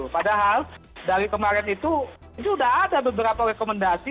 padahal dari kemarin itu sudah ada beberapa rekomendasi